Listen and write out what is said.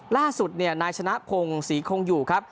ล่าสุดนายชนะพงศรีคงอยู่ครับ